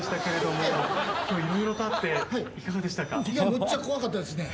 むっちゃ怖かったですね。